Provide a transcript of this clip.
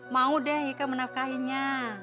mau deh eka menafkahinya